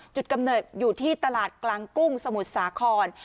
กำเนิดอยู่ที่ตลาดกลางกุ้งสมุทรสาคร